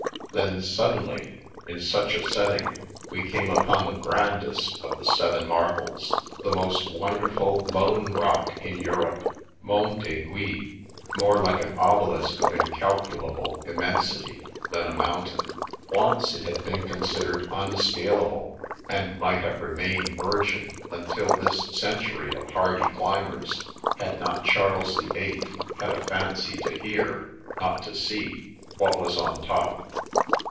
Then, suddenly, in such a a setting, we came upon the grandest of the Seven Marvels, the most wonderful lone rock in Europe, Mont Aiguille, more like an obelisk of incalcu 348 The Princess Passes lable immensity than a mountain. Once, it had been considered unscalable, and might have remained vir gin until this century of hardy climbers, had not Charles the Eighth had a fancy to hear (not to see !) what was on top.